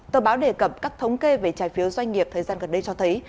tờ báo đề cập các thống kê về trái phiếu doanh nghiệp thời gian gần đây cho thấy